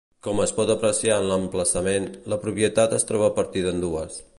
Com es pot apreciar en l'emplaçament, la propietat es troba partida en dues.